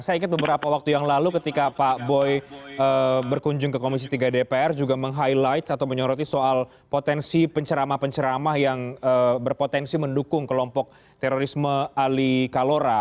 saya ingat beberapa waktu yang lalu ketika pak boy berkunjung ke komisi tiga dpr juga meng highlight atau menyoroti soal potensi penceramah penceramah yang berpotensi mendukung kelompok terorisme ali kalora